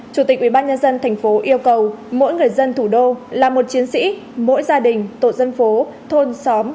chủ tịch ubnd tp yêu cầu mỗi người dân thủ đô là một chiến sĩ mỗi gia đình tổ dân phố thôn xóm